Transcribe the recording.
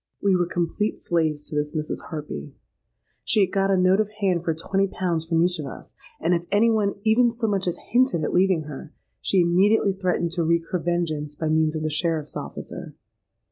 "We were complete slaves to this Mrs. Harpy. She had got a note of hand for twenty pounds from each of us; and if any one even so much as hinted at leaving her, she immediately threatened to wreak her vengeance by means of the sheriffs' officer.